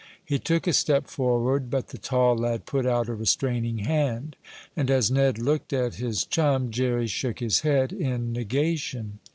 He took a step forward, but the tall lad put out a restraining hand. And, as Ned looked at his chum, Jerry shook his head in negation.